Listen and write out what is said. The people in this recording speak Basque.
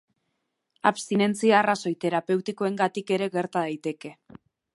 Abstinentzia arrazoi terapeutikoengatik ere gerta daiteke.